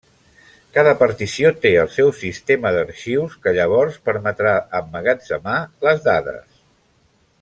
Cada partició té el seu sistema d'arxius, que llavors permetrà emmagatzemar les dades.